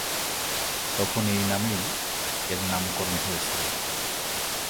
তখন এই নামেই এর নামকরণ হয়েছিলো।